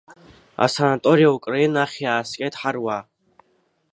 Асанаториа Украина ахь иааскьеит ҳаруаа.